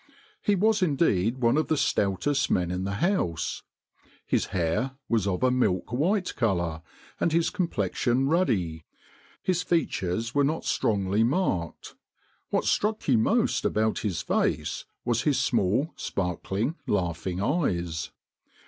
He was indeed one of the stoutest men in the House.... His hair was of a milk white colour, and his complexion ruddy. His features were not strongly marked. What struck you most about his face was his small, sparkling, laughing eyes.